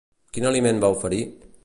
Quin aliment va oferir?